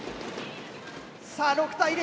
さあ６対０。